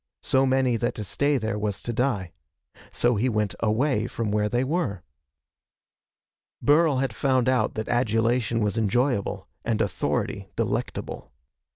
So many that to stay there was to die. So he went away from where they were. Burl had found out that adulation was enjoyable and authority delectable.